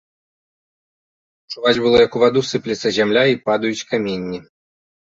Чуваць было, як у ваду сыплецца зямля і падаюць каменні.